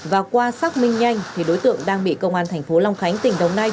và qua xác minh nhanh thì đối tượng đang bị công an thành phố long khánh tỉnh đồng nai